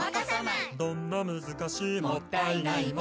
「どんな難しいもったいないも」